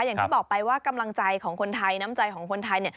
อย่างที่บอกไปว่ากำลังใจของคนไทยน้ำใจของคนไทยเนี่ย